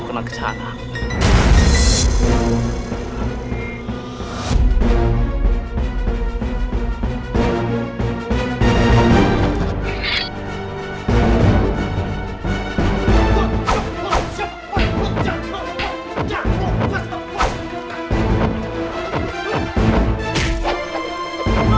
sengaja terus pabrik jaftanya